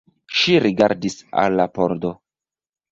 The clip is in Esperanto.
Ŝi rigardis al la pordo.